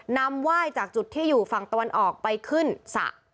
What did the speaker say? ไหว้จากจุดที่อยู่ฝั่งตะวันออกไปขึ้นสระ